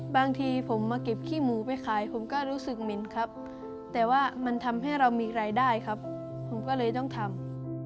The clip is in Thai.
บางทีผมมาเก็บขี้หมูไปขายผมก็รู้สึกเหม็นครับแต่ว่ามันทำให้เรามีรายได้ครับผมก็เลยต้องทำ